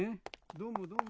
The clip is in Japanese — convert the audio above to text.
どうもどうも。